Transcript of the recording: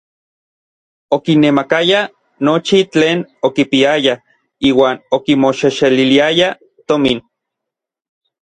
Okinemakayaj nochi tlen okipiayaj iuan okimoxexeliliayaj tomin.